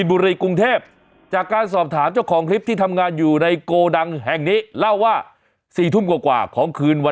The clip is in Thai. โอ้โหโอ้โหโอ้โหโอ้โหโอ้โหโอ้โหโอ้โห